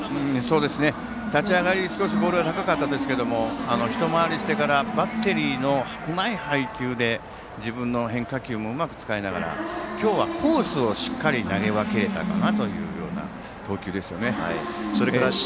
立ち上がりボールが高かったですが一回りしてからバッテリーのうまい配球で自分の変化球もうまく使いながら今日はコースをしっかり投げ分けたかなという投球ですよね。